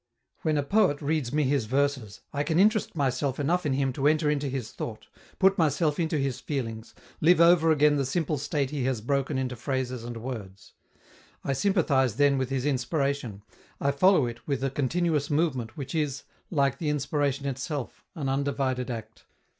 When a poet reads me his verses, I can interest myself enough in him to enter into his thought, put myself into his feelings, live over again the simple state he has broken into phrases and words. I sympathize then with his inspiration, I follow it with a continuous movement which is, like the inspiration itself, an undivided act.